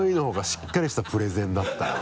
しっかりしたプレゼンだったよ。